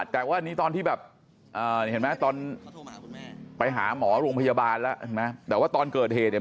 แต่ว่านี้ตอนที่แบบตอนไปหาหมอโรงพยาบาลแล้วแต่ว่าตอนเกิดเหตุเนี่ย